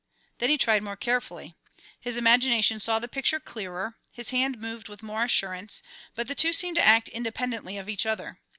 Then he tried more carefully. His imagination saw the picture clearer, his hand moved with more assurance, but the two seemed to act independently of each other.